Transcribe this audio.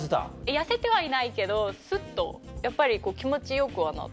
痩せてはいないけどスッとやっぱり気持ちよくはなった。